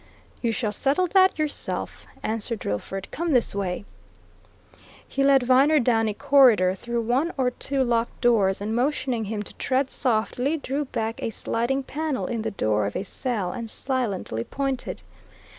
"You shall settle that yourself," answered Drillford. "Come this way." He led Viner down a corridor, through one or two locked doors, and motioning him to tread softly, drew back a sliding panel in the door of a cell and silently pointed.